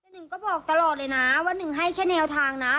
หนึ่งก็บอกตลอดเลยนะว่าหนึ่งให้แค่แนวทางนะ